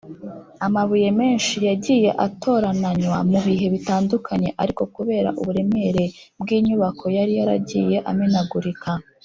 amabuye menshi yagiye atorananywa mu bihe bitandukanye, ariko kubera uburemere bw’inyubako yari yaragiye amenagurika